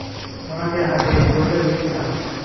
ওনাকে আগে এই বইটা দিয়েছিলাম।